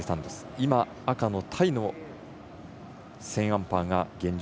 今、赤のタイのセーンアンパーが現状